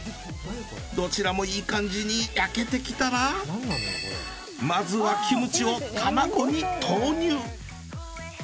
どちらもいい感じに焼けてきたらまずはキムチを卵に投入。